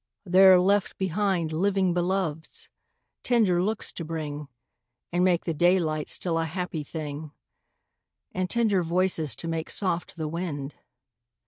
there are left behind Living Beloveds, tender looks to bring, And make the daylight still a happy thing, And tender voices, to make soft the wind.